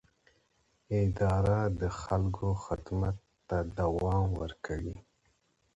اداره د خلکو خدمت ته دوام ورکوي.